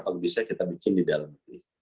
kalau bisa kita bikin di dalam negeri